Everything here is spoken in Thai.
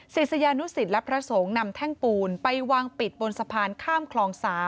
ศิษยานุสิตและพระสงฆ์นำแท่งปูนไปวางปิดบนสะพานข้ามคลอง๓